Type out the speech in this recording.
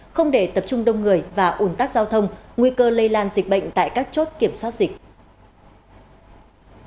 không để tập trung đông người và ủn tắc giao thông nguy cơ lây lan dịch bệnh tại các chốt kiểm soát dịch